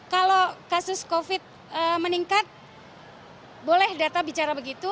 kalau kasus covid meningkat boleh data bicara begitu